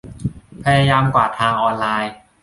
พยายามกวาดทางออนไลน์